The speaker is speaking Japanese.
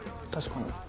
確かに。